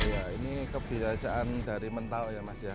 ya ini kebiasaan dari mental ya mas ya